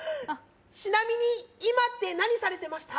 ちなみに今って何されてました？